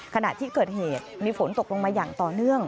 ขณะที่เกิดเหตุมีฝนตกลงมาอย่างต่อเนื่อง